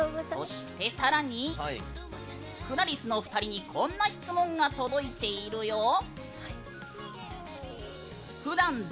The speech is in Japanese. そして、さらにＣｌａｒｉＳの２人にこんな質問が届いているよ。